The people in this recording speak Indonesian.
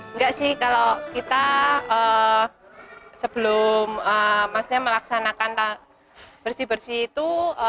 enggak sih kalau kita sebelum maksudnya melaksanakan bersih bersih itu